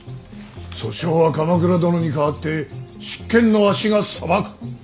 訴訟は鎌倉殿に代わって執権のわしが裁く。